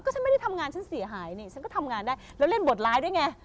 ฉันไม่ได้ทำงานฉันเสียหายนี่ฉันก็ทำงานได้แล้วเล่นบทร้ายด้วยไง